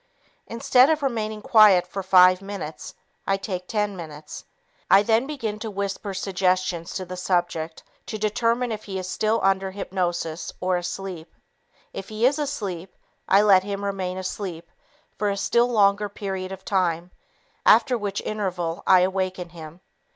Instead of remaining quiet for five minutes, I take ten minutes. I then begin to whisper suggestions to the subject to determine if he is still under hypnosis or asleep. If he is asleep, I let him remain asleep for a still longer period of time, after which interval I awaken him.